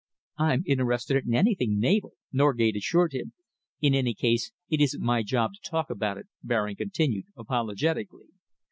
"I'm interested in anything naval," Norgate assured him. "In any case, it isn't my job to talk about it," Baring continued apologetically.